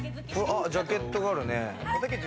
ジャケットがあるね。